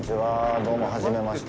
どうも初めまして。